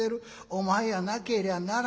お前やなけりゃならん。